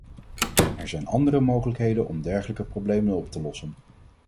Er zijn andere mogelijkheden om dergelijke problemen op te lossen.